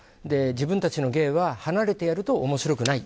自分たちの芸は離れてやるとおもしろくない。